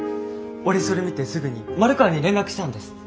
俺それ見てすぐに丸川に連絡したんです。